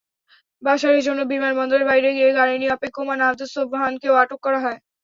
বাশারের জন্য বিমানবন্দরের বাইরে গাড়ি নিয়ে অপেক্ষমাণ আবদুস সোবহানকেও আটক করা হয়।